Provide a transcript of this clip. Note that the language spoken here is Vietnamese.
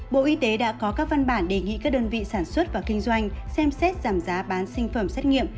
bộ y tế đã có các văn bản đề nghị các đơn vị sản xuất và kinh doanh xem xét giảm giá bán sinh phẩm xét nghiệm